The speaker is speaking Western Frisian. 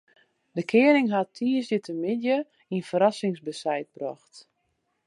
De koaning hat tiisdeitemiddei in ferrassingsbesite brocht.